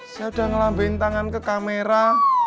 saya udah ngelambing tangan ke kamera